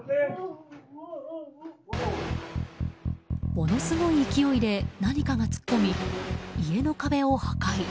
ものすごい勢いで何かが突っ込み家の壁を破壊。